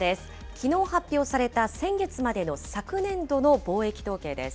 きのう発表された先月までの昨年度の貿易統計です。